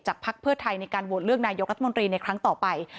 พักเพื่อไทยในการโหวตเลือกนายกรัฐมนตรีในครั้งต่อไป